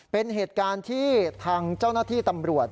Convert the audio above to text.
เป็นเหตุการณ์ที่ทางเจ้าหน้าที่ตำรวจ